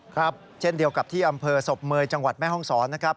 ครับเช่นเดียวกับที่อำเภอศพเมย์จังหวัดแม่ห้องศรนะครับ